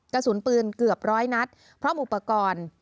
กระสุนปืนเกือบร้อยนัดพร้อมอุปกรณ์